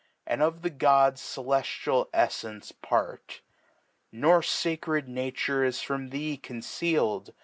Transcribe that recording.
And of the Gods celeftial EfTence Part. Nor facred Nature is from thee conceal'd